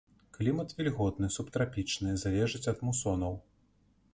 Клімат вільготны субтрапічны, залежыць ад мусонаў.